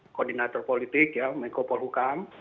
koordinator politik ya menko polhukam